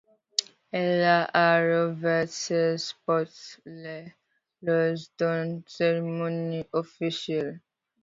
Elle a rouvert ses portes le lors d'une cérémonie officielle.